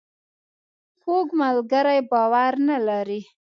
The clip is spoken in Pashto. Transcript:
کوږ ملګری باور نه لري